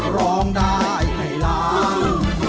ร้องได้ให้ล้าน